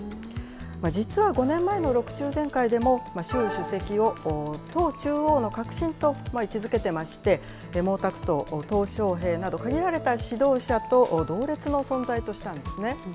実は５年前の６中全会でも、習主席を党中央の核心と位置づけてまして、毛沢東、とう小平など限られた指導者と同列の存在としたんですね。